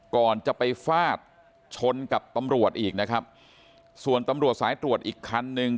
ก่อนจะไปฟาดชนกับตำรวจอีกนะครับส่วนตำรวจสายตรวจอีกคันหนึ่ง